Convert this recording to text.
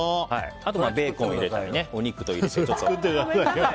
あとベーコンを入れたりお肉を入れて。